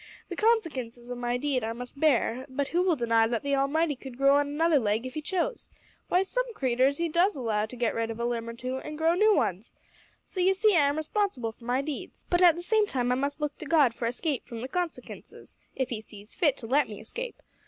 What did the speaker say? The consekinces o' my deed I must bear, but who will deny that the Almighty could grow on another leg if He chose? Why, some creeters He does allow to get rid of a limb or two, an' grow new ones! So, you see, I'm responsible for my deeds, but, at the same time, I must look to God for escape from the consekinces, if He sees fit to let me escape.